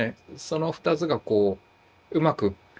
その２つがうまく